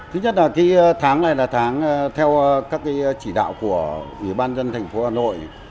thứ nhất là tháng này là tháng theo các chỉ đạo của ủy ban dân thành phố hà nội